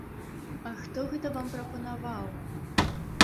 А хто гэта вам прапанаваў?